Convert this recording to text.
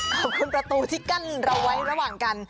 ประตูที่กั้นเราไว้ระหว่างกัน